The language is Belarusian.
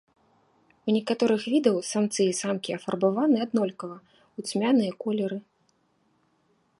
У некаторых відаў самцы і самкі афарбаваны аднолькава, у цьмяныя колеры.